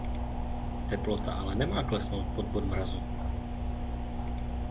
Teplota ale nemá klesnout pod bod mrazu.